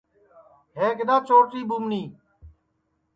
ہے کِدؔا چورٹی ٻُومنیں